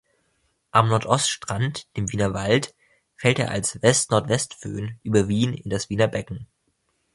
Am Nordostrand, dem Wienerwald, fällt er als "West-Nordwest-Föhn" über Wien in das Wiener Becken.